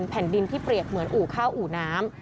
แผ่นดินที่เปรียบเหมือนอู่ข้าวอู่น้ำ